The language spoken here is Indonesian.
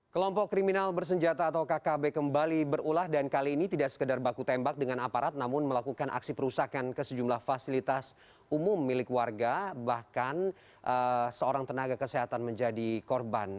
kelompok kriminal bersenjata atau kkb kembali berulah dan kali ini tidak sekedar baku tembak dengan aparat namun melakukan aksi perusahaan ke sejumlah fasilitas umum milik warga bahkan seorang tenaga kesehatan menjadi korban